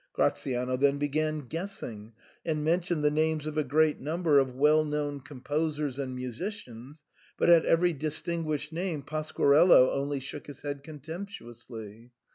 Gratiano then began guessing, and mentioned the names of a great number of well known composers and musicians, but at every distinguished name Pasquarello only shook his head contemptuously.